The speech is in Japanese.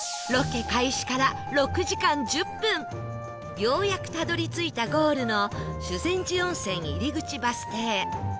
ようやくたどり着いたゴールの修善寺温泉入口バス停